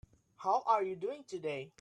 How are you doing today?